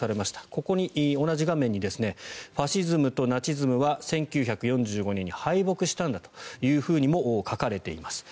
ここに同じ画面にファシズムとナチズムは１９４５年に敗北したんだとも書かれています。